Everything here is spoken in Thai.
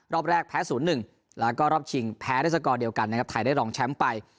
รอบแรกแพ้๐๑แล้วก็รอบชิงแพ้ด้วยสกอร์เดียวกันนะครับไทยได้รองแชมป์ไป